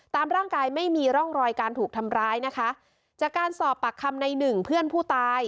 ตามร่างกายไม่มีร่องรอยการถูกทำร้ายนะคะจากการสอบปากคำในหนึ่งเพื่อนผู้ตาย